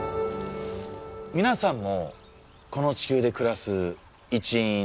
皆さんもこの地球で暮らす一員ですよね。